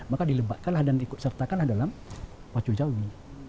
maka dilembatkanlah dan ikut sertakanlah dalam pacu jawi